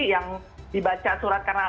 yang dibaca surat karena